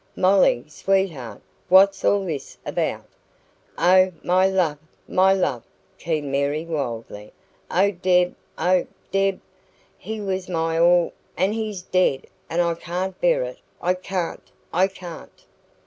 "Molly, sweetheart, what's all this about?" "Oh, my love! my love!" keened Mary wildly. "Oh, Deb! oh, Deb! He was my all, and he's dead, and I can't bear it I can't! I can't!"